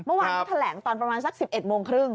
เมื่อวานเขาแถลงตอนประมาณสัก๑๑โมงครึ่ง